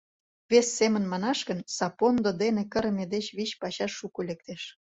Вес семын манаш гын, сапондо дене кырыме деч вич пачаш шуко лектеш.